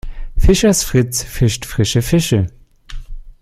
Fischers Fritz fischt frische Fische.